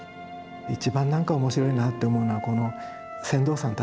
一番何か面白いなって思うのはこの船頭さんたちですね。